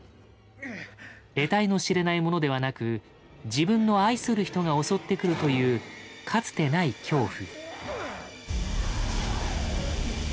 えたいの知れないものではなく自分の愛する人が襲ってくるというかつてない恐怖。